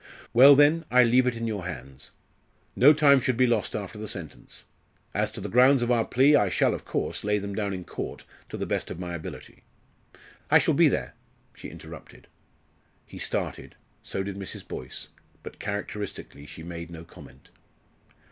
Well, then, I leave it in your hands. No time should be lost after the sentence. As to the grounds of our plea, I shall, of course, lay them down in court to the best of my ability." "I shall be there," she interrupted. He started. So did Mrs. Boyce, but characteristically she made no comment.